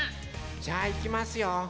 じゃあいきますよ。